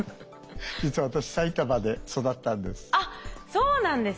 実は私埼玉で育ったんです。